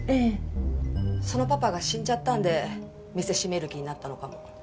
そのパパが死んじゃったんで店閉める気になったのかも。